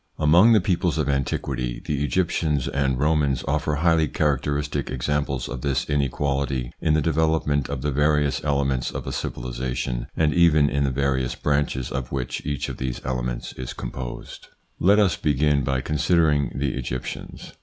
Among the peoples of antiquity, the Egyptians and Romans offer highly characteristic examples of this inequality in the development of the various elements of a civilisation, and even in the various branches of which each of these elements is composed. Let us begin by considering the Egyptians.